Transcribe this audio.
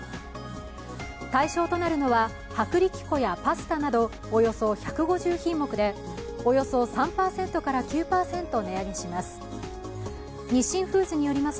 対象となるのは、薄力粉やパスタなど、およそ１５０品目で、およそ３％から９％値上げします。